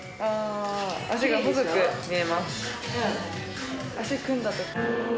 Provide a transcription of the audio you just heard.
あ脚が細く見えます。